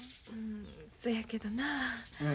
そやけどなあ。